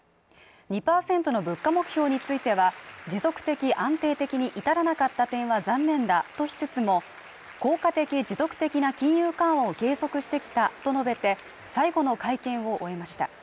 ２％の物価目標については持続的安定的に至らなかった点は残念だとしつつも効果的持続的な金融緩和を継続してきたと述べて最後の会見を終えました。